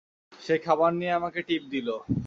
সে খাবার নিয়ে আমাকে টিপ দিলো।